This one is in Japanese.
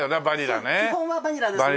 基本はバニラですね。